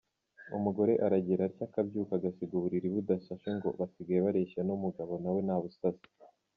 Umugore aragira atya akabyuka agasiga uburiri budashashe ngo basigaye bareshya n’umugabo nawe nabusase.